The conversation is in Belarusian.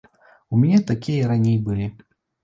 У мяне такія і раней былі.